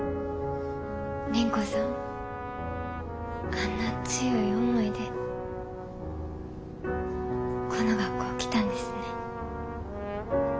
倫子さんあんな強い思いでこの学校来たんですね。